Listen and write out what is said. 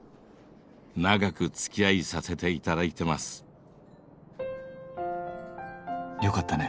長く付き合いさせて頂いてます。よかったネ。